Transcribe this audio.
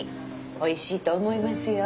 おいしいと思いますよ。